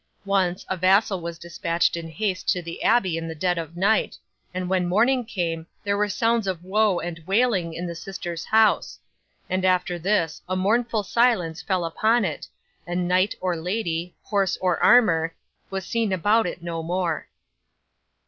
Once, a vassal was dispatched in haste to the abbey at dead of night, and when morning came, there were sounds of woe and wailing in the sisters' house; and after this, a mournful silence fell upon it, and knight or lady, horse or armour, was seen about it no more.